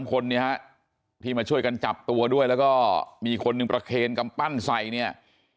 คนเนี่ยฮะที่มาช่วยกันจับตัวด้วยแล้วก็มีคนหนึ่งประเคนกำปั้นใส่เนี่ย